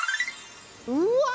うわ！